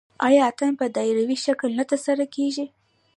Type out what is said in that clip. آیا اتن په دایروي شکل ترسره نه کیږي؟